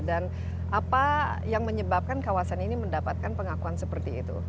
dan apa yang menyebabkan kawasan ini mendapatkan pengakuan seperti itu